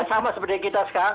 sama seperti kita sekarang